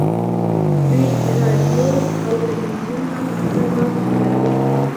دوی راډیو او ټلویزیون هم په خپل واک کې کاروي